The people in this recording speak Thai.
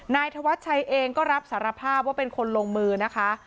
นายธวัชชัยเองก็รับสารภาพว่าเป็นคนลงมือนะคะ